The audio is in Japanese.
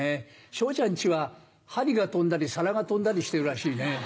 昇ちゃん家は針が飛んだり皿が飛んだりしてるらしいね。